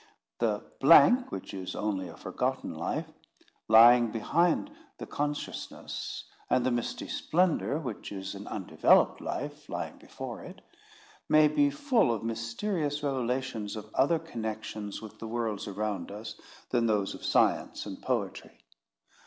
The blank, which is only a forgotten life, lying behind the consciousness, and the misty splendour, which is an undeveloped life, lying before it, may be full of mysterious revelations of other connexions with the worlds around us, than those of science and poetry.